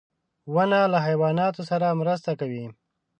• ونه له حیواناتو سره مرسته کوي.